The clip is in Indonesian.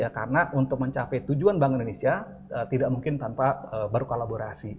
karena untuk mencapai tujuan bank indonesia tidak mungkin tanpa berkolaborasi